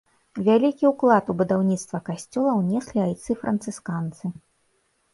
Вялікі ўклад у будаўніцтва касцёла ўнеслі айцы францысканцы.